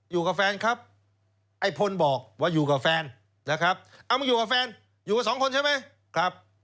อยู่กับแฟนครับไอ้พลบอกว่าอยู่กับแฟนนะครับเอามาอยู่กับแฟนอยู่กับสองคนใช่ไหมครับ